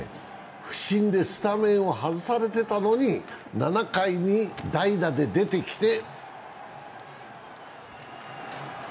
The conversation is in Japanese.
不振でスタメンを外されてたのに７回で代打で出てきて。